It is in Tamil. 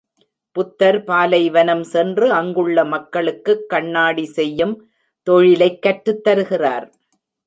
புத்தர் பாலைவனம் சென்று அங்குள்ள மக்களுக்குக் கண்ணாடி செய்யும் தொழிலைக் கற்றுத் தருகிறார்.